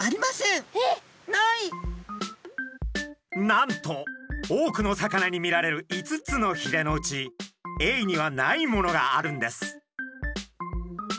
なんと多くの魚に見られる５つのひれのうちエイにはないものがあるんです！